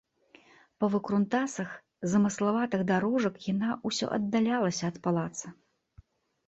Па выкрутасах замыславатых дарожак яна ўсё аддалялася ад палаца.